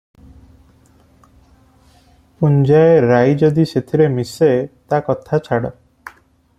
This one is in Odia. ପୁଞ୍ଜାଏ ରାଇ ଯଦି ସେଥିରେ ମିଶେ, ତା କଥା ଛାଡ଼ ।